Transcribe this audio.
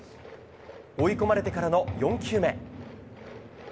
追い込まれてからの４球目。